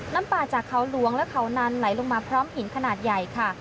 น้ำป่าจากเขาหลวงและเขานานไหลลงมาพร้อมหินขนาดใหญ่ค่ะ